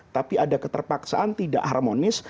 tapi ada keterpaksaan tidak harmonis